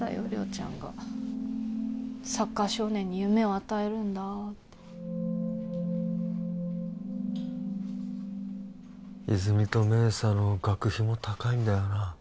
亮ちゃんがサッカー少年に夢を与えるんだって泉実と明紗の学費も高いんだよな